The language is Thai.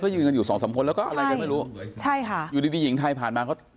อยู่สองสามคนแล้วก็อะไรก็ไม่รู้อยู่ดีหญิงไทยผ่านมาก็